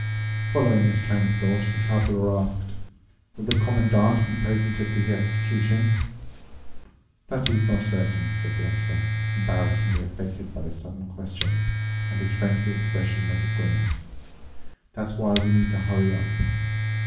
Following this train of thought, the Traveler asked, "Will the Commandant be present at the execution?" "That is not certain," said the Officer, embarrassingly affected by the sudden question, and his friendly expression made a grimace. "That's why we need to hurry up.